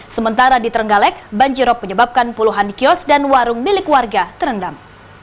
sementara di terenggalek banjirop menyebabkan puluhan kios dan warung milik warga terendam